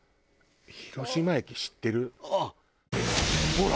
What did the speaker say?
ほら！